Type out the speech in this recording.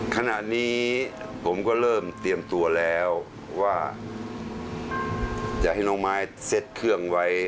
ขณะนี้ผมก็เริ่มเตรียมตัวแล้วว่าจะให้น้องไม้เซ็ตเครื่องไว้